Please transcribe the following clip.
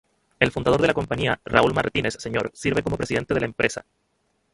El fundador de la compañía, Raúl Martínez, Sr., sirve como presidente de la empresa.